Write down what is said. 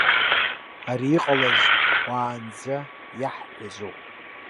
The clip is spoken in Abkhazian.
Ара иҟалаз уаанӡа иаҳҳәазоуп.